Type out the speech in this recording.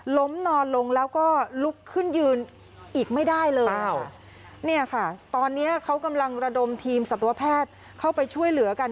ล้มนอนลงแล้วก็ลุกขึ้นยืนอีกไม่ได้เลยค่ะเนี่ยค่ะตอนเนี้ยเขากำลังระดมทีมสัตวแพทย์เข้าไปช่วยเหลือกัน